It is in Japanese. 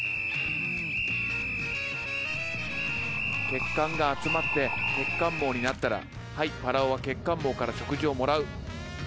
血管が集まって血管網になったらはいぱらおは血管網から食事をもらう。